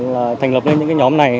và thành lập lên những cái nhóm này